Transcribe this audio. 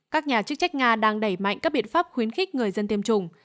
các nhà chức trách nga đang đẩy mạnh các biện pháp khuyến khích người dân tiêm chủng